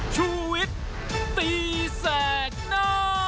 ชุวิตตีแสดหน้า